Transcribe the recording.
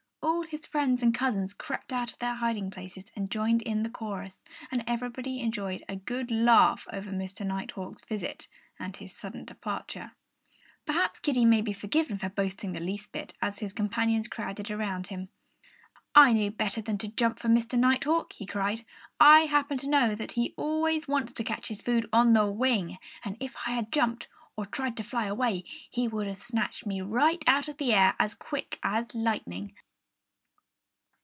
All his friends and cousins crept out of their hiding places and joined in the chorus. And everybody enjoyed a good laugh over Mr. Nighthawk's visit and his sudden departure. Perhaps Kiddie may be forgiven for boasting the least bit, as his companions crowded around him. "I knew better than to jump for Mr. Nighthawk!" he cried. "I happened to know that he always wants to catch his food on the wing. And if I had jumped, or tried to fly away, he would have snatched me right out of the air as quick as lightning."